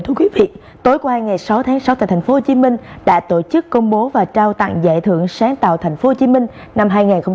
thưa quý vị tối qua ngày sáu tháng sáu tại tp hcm đã tổ chức công bố và trao tặng giải thưởng sáng tạo tp hcm năm hai nghìn hai mươi